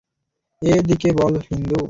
এ দিকে বল হিন্দু!